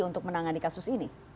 untuk menangani kasus ini